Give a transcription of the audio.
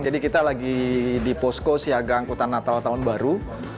jadi kita lagi di posko siaga angkutan natal tahun baru